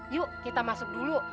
yuk kita masuk dulu